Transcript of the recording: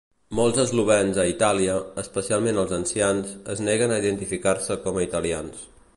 Molts eslovens a Itàlia, especialment els ancians, es neguen a identificar-se com a italians.